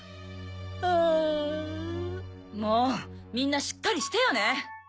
もぉみんなしっかりしてよね！